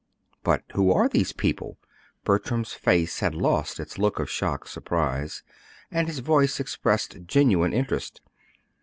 "But who are these people?" Bertram's face had lost its look of shocked surprise, and his voice expressed genuine interest.